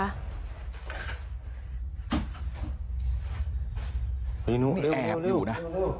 แอบอยู่นะ